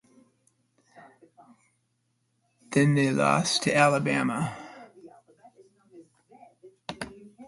Then they lost to Alabama.